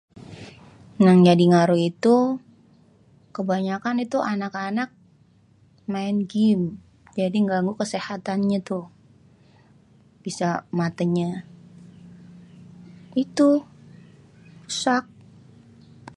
Nyang jadi ngaruh itu kebanyakan itu anak-anak main gim. Jadi ganggu kesehatannya tuh. Bisa matenye itu rusak.